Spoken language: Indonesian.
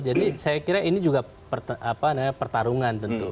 jadi saya kira ini juga pertarungan tentu